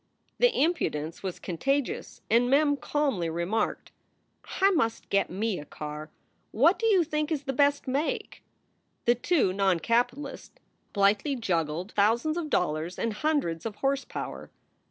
The impudence was contagious and Mem calmly re marked: 208 SOULS FOR SALE "I must get me a car. What do you think is the best make?" The two noncapitalists blithely juggled thousands of dollars and hundreds of horse power.